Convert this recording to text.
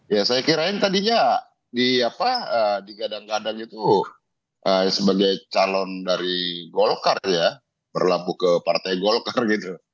ya saya kirain tadinya digadang gadang itu sebagai calon dari golkar ya berlabuh ke partai golkar gitu